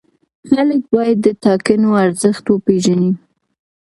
خلک باید د ټاکنو ارزښت وپېژني